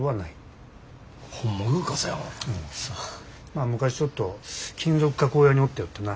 まあ昔ちょっと金属加工屋におったよってな。